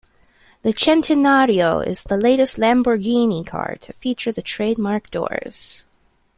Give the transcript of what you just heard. The Centenario is the latest Lamborghini car to feature the trademark doors.